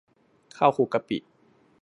ข้าวคลุกกะปิ